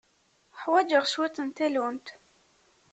Ḥwajeɣ cwiṭ n tallunt.